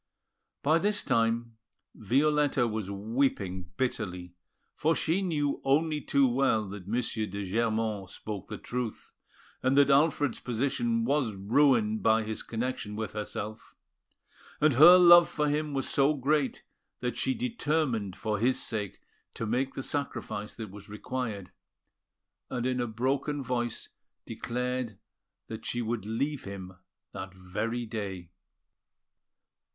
By this time, Violetta was weeping bitterly, for she knew only too well that M. de Germont spoke the truth, and that Alfred's position was ruined by his connection with herself; and her love for him was so great that she determined for his sake to make the sacrifice that was required, and in a broken voice declared that she would leave him that very day.